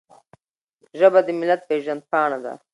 ژبه د ملت پیژند پاڼه ده.